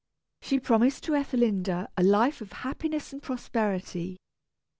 She promised to Ethelinda a life of happiness and prosperity.